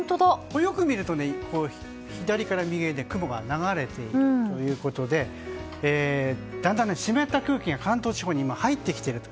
よく見ると左から右へ雲が流れているということでだんだん湿った空気が関東地方に入ってきていると。